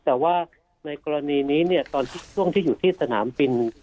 แต่ว่าในกรณีนี้เนี่ยตอนช่วงที่อยู่ที่สนามบิน